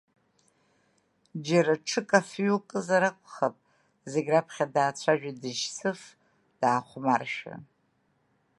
Џьара ҽык афҩы укызар, акәхап, зегь раԥхьа даацәажәеит Џьсыф, даахәмаршәа.